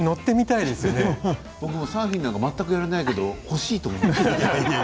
僕もサーフィンなんて全くやらないけど欲しいと思いました。